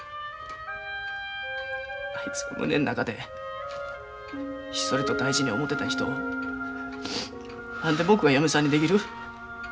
あいつが胸の中でひっそりと大事に思てた人を何で僕が嫁さんにできる？